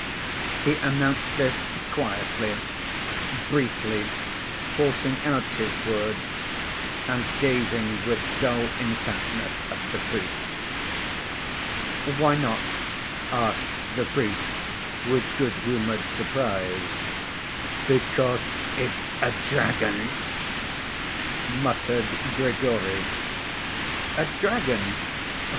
He announced this quietly, briefly, forcing out his words, and gazing with dull intentness at the priest. "Why not?" asked the priest with good‐humored surprise. "Because it's a dragon," muttered Grigory. "A dragon?